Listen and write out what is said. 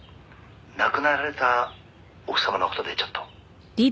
「亡くなられた奥様の事でちょっと」